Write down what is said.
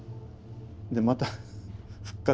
でまた復活。